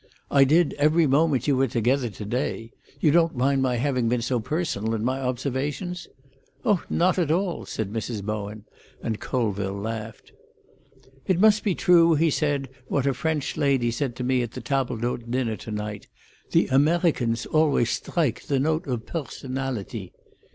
"I did every moment you were together to day. You don't mind my having been so personal in my observations?" "Oh, not at all," said Mrs. Bowen, and Colville laughed. "It must be true," he said, "what a French lady said to me at the table d'hôte dinner to night: 'the Amerhicans always strhike the note of perhsonality.'"